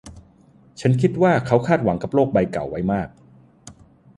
ฉันคิดว่าเขาคาดหวังกับโลกใบเก่าไว้มาก